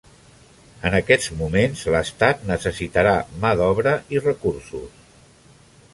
En aquests moments, l'Estat necessitarà mà d'obra i recursos.